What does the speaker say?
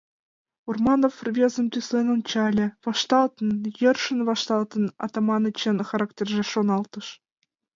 Урманов рвезым тӱслен ончале: «Вашталтын, йӧршын вашталтын Атаманычын характерже», — шоналтыш.